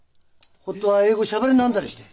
本当は英語しゃべれなんだりして？